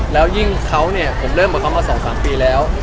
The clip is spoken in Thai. แล้วยิ่งเขาเนี่ยผมเริ่มกับเขามา๒๓ปีแล้ว